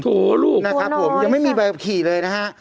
โถลูกตัวน้อยยังไม่มีบัยกรรมขี่เลยนะฮะ